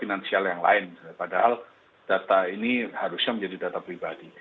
finansial yang lain padahal data ini harusnya menjadi data pribadi